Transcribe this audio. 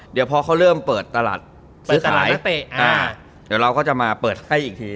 เดี๋ยวพอเขาเริ่มเปิดตลาดซื้อขายเดี๋ยวเราก็จะมาเปิดให้อีกที